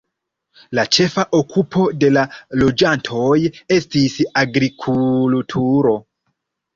La ĉefa okupo de la loĝantoj estis agrikulturo.